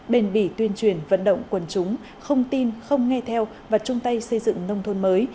bền bỉ tuyên truyền vận động quần chúng không tin không nghe theo và chung tay xây dựng nông thôn mới